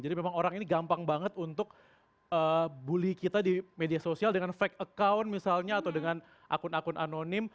jadi memang orang ini gampang banget untuk bully kita di media sosial dengan fake account misalnya atau dengan akun akun anonim